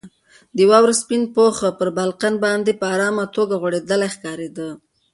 د واورې سپین پوښ پر بالکن باندې په ارامه توګه غوړېدلی ښکارېده.